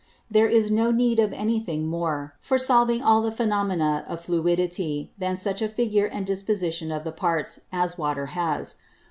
There is no need of any thing more, for solving all the Phænomena of Fluidity, than such a Figure and Disposition of the Parts, as Water has.